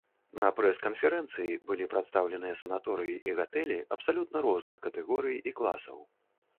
На прэс-канферэнцыі былі прадстаўленыя санаторыі і гатэлі абсалютна розных катэгорый і класаў.